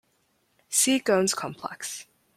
See Ghon's complex.